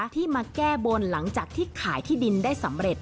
ที่มาแก้บนหลังจากที่ขายที่ดินได้สำเร็จ